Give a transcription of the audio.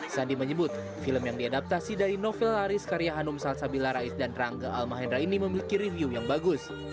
sandi menyebut film yang diadaptasi dari novel laris karya hanum salsabila rais dan rangga al mahendra ini memiliki review yang bagus